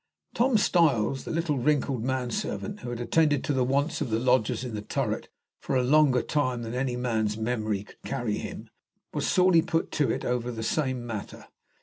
Tom Styles, the little wrinkled man servant who had attended to the wants of the lodgers in the turret for a longer time than any man's memory could carry him, was sorely put to it over the same matter.